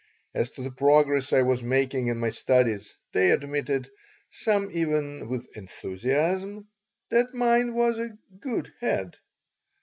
As to the progress I was making in my studies, they admitted, some even with enthusiasm, that mine was a "good head."